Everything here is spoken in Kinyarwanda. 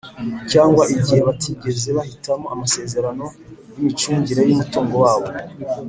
cyangwa igihe batigeze bahitamo amasezerano y’imicungire y’umutungo wabo,